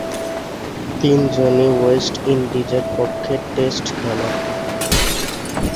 তিনজনই ওয়েস্ট ইন্ডিজের পক্ষে টেস্ট খেলেন।